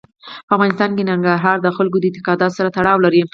په افغانستان کې ننګرهار د خلکو د اعتقاداتو سره تړاو لري.